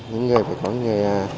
những người phải có người